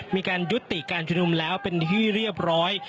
มีการยุติการชุมนุมแล้วเป็นที่เรียบร้อย